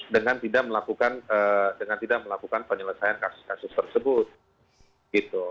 dengan tidak melakukan penyelesaian kasus tersebut